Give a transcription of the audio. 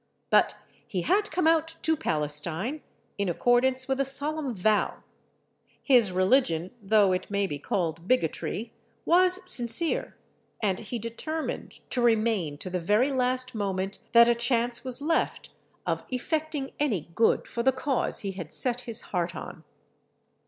But he had come out to Palestine in accordance with a solemn vow; his religion, though it may be called bigotry, was sincere; and he determined to remain to the very last moment that a chance was left of effecting any good for the cause he had set his heart on.